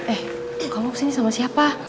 eh kamu kesini sama siapa